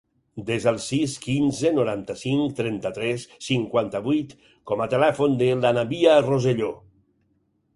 Desa el sis, quinze, noranta-cinc, trenta-tres, cinquanta-vuit com a telèfon de l'Anabia Rosello.